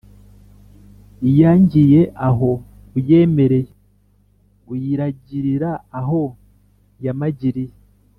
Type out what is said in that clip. Iyangiye aho uyemereye, uyiragirira aho yamagiriye